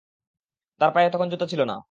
তার পায়ে তখন জুতা ছিল না।